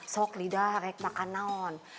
sok lidah rek makan naon